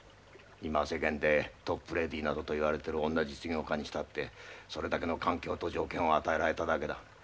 今世間でトップレディーなどと言われてる女実業家にしたってそれだけの環境と条件を与えられただけだ。